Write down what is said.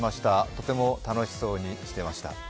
とても楽しそうにしていました。